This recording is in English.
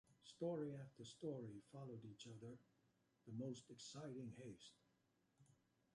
Story after story followed each other with the most exciting haste.